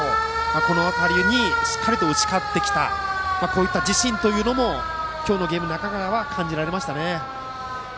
この辺りにしっかり打ち勝ってきたこういった自信というのも今日のゲームの中からは感じられましたね。